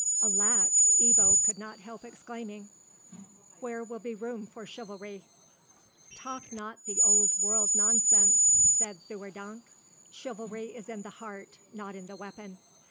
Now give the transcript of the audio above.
"Alack!" Ebbo could not help exclaiming, "where will be room for chivalry?" "Talk not old world nonsense," said Theurdank; "chivalry is in the heart, not in the weapon.